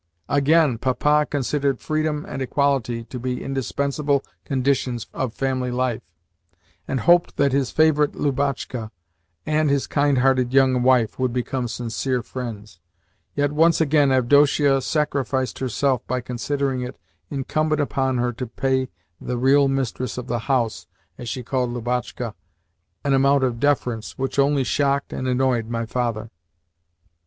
Again, Papa considered freedom and equality to be indispensable conditions of family life, and hoped that his favourite Lubotshka and his kind hearted young wife would become sincere friends; yet once again Avdotia sacrificed herself by considering it incumbent upon her to pay the "real mistress of the house," as she called Lubotshka, an amount of deference which only shocked and annoyed my father.